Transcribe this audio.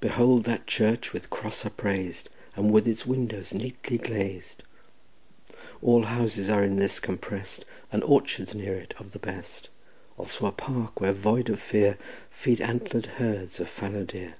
Behold that church with cross uprais'd And with its windows neatly glaz'd; All houses are in this comprest— An orchard's near it of the best, Also a park where void of fear Feed antler'd herds of fallow deer.